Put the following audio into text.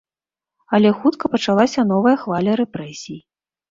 Але хутка пачалася новая хваля рэпрэсій.